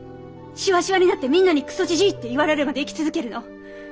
しわしわになってみんなにくそじじいって言われるまで生き続けるの。